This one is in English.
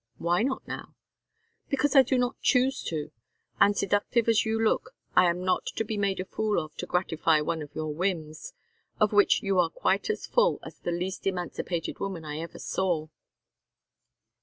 "Why not now?" "Because I do not choose to. And seductive as you look I am not to be made a fool of to gratify one of your whims of which you are quite as full as the least emancipated woman I ever saw."